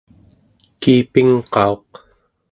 kiipingqauq